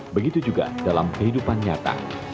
begitu juga dalam kehidupan nyata